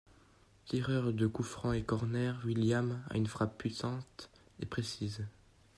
Tireur de coup-franc et corner, Willian a une frappe puissante et précise.